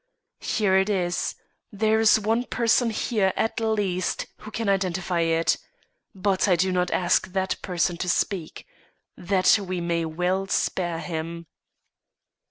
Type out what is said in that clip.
Here it is; there is one person here, at least, who can identify it. But I do not ask that person to speak. That we may well spare him."